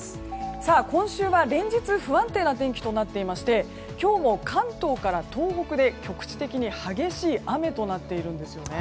今週は連日不安定な天気となっていまして今日も関東から東北で、局地的に激しい雨となっているんです。